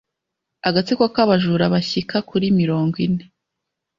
agatsiko kabajura bashyika kurimirongo ine